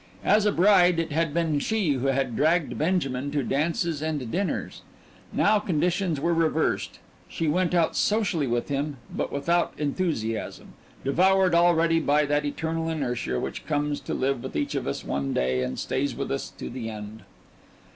As a bride it had been she who had "dragged" Benjamin to dances and dinners now conditions were reversed. She went out socially with him, but without enthusiasm, devoured already by that eternal inertia which comes to live with each of us one day and stays with us to the end.